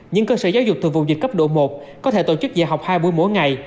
những cơ sở giáo dục từ vùng dịch cấp độ một có thể tổ chức dạy học hai buổi mỗi ngày